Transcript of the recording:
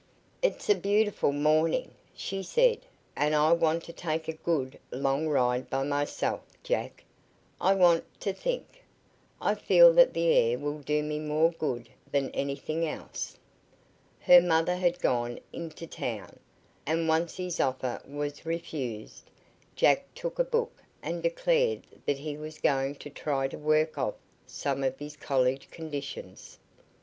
"It's a beautiful morning," she said, "and I want to take a good, long ride by myself, Jack. I want to think. I feel that the air will do me more good than anything else." Her mother had gone into town, and once his offer was refused, Jack took a book and declared that he was going to try to work off some of his college conditions.